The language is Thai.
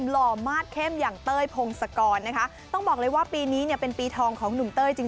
หล่อมาสเข้มอย่างเต้ยพงศกรนะคะต้องบอกเลยว่าปีนี้เนี่ยเป็นปีทองของหนุ่มเต้ยจริง